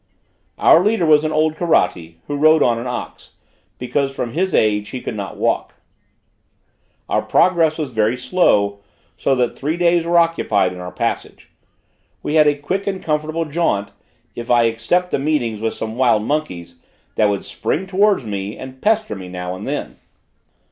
Our leader was an old Karatti, who rode on an ox, because from his age he could not walk. Our progress was very slow, so that three days were occupied in our passage. We had a quick and comfortable jaunt, if I except the meeting with some wild monkeys, that would spring towards me, and pester me now and then.